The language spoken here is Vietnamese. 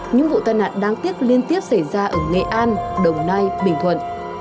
những vụ tai nạn đáng tiếc liên tiếp xảy ra ở nghệ an đồng nai bình thuận